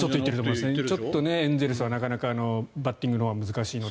ちょっとエンゼルスはなかなかバッティングのほうは難しいので。